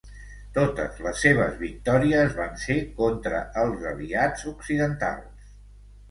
Totes les seves victòries van ser contra els Aliats Occidentals.